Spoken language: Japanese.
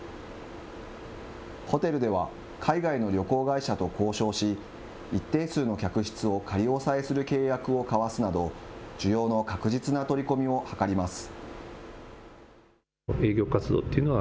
ホテルでは海外の旅行会社と交渉し、一定数の客室を仮押さえする契約を交わすなど、需要の確実な取り込みを図ります。